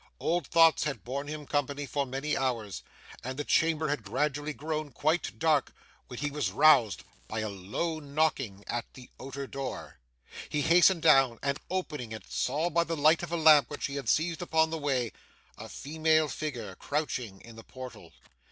Old thoughts had borne him company for many hours, and the chamber had gradually grown quite dark, when he was roused by a low knocking at the outer door. He hastened down, and opening it saw by the light of a lamp which he had seized upon the way, a female figure crouching in the portal.